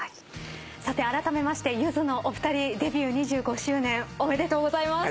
さてあらためましてゆずのお二人デビュー２５周年おめでとうございます。